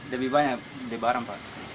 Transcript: lebih banyak lebaran pak